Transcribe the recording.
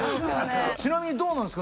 ちなみにどうなんすか？